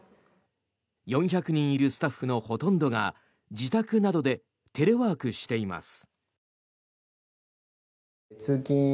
４００人いるスタッフのほとんどが自宅などでテレワークしています。